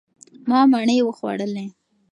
ما مڼې وخوړلې.